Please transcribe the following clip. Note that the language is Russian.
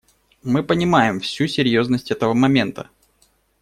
Мы понимаем всю серьезность этого момента.